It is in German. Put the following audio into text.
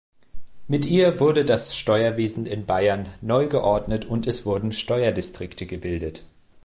Mit ihr wurde das Steuerwesen in Bayern neu geordnet und es wurden Steuerdistrikte gebildet.